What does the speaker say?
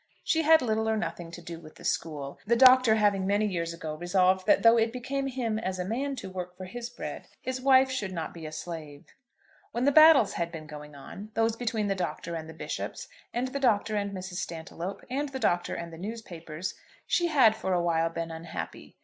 She had little or nothing to do with the school, the Doctor having many years ago resolved that though it became him as a man to work for his bread, his wife should not be a slave. When the battles had been going on, those between the Doctor and the bishops, and the Doctor and Mrs. Stantiloup, and the Doctor and the newspapers, she had for a while been unhappy.